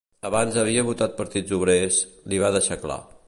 Abans havia votat partits obrers, li va deixar clar.